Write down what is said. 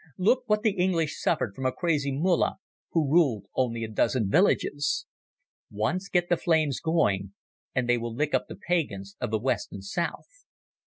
Look what the English suffered from a crazy Mullah who ruled only a dozen villages. Once get the flames going and they will lick up the pagans of the west and south.